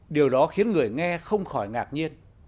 điều đó khiến người nghe không khỏi ngạc nhiên